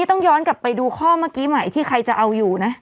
ต้องย้อนกลับไปดูข้อเมื่อกี้ใหม่ที่ใครจะเอาอยู่นะ